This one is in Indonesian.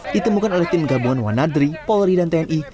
ditemukan oleh tim gabungan wanadri polri dan tni